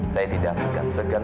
saya tidak segan segan